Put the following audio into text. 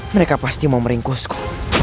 mereka pasti mau meringkusku